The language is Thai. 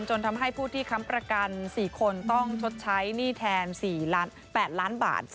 จนทำให้ผู้ที่ค้ำประกัน๔คนต้องชดใช้หนี้แทน๔๘ล้านบาท